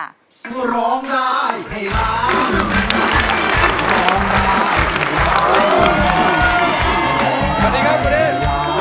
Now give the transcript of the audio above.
สวัสดีครับคุณนิ่ม